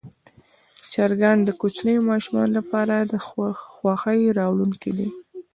چرګان د کوچنیو ماشومانو لپاره خوښي راوړونکي دي.